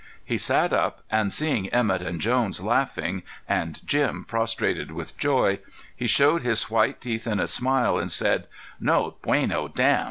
He sat up, and seeing Emett and Jones laughing, and Jim prostrated with joy, he showed his white teeth in a smile and said: "No bueno dam."